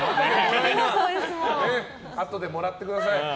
あとでもらってください。